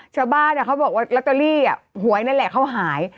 ชาวบ้านเขาบอกว่ารัตเตอรี่หวยนั่นแหละเขาหาย